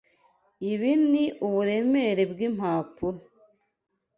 Ibi ni uburemere bwimpapuro.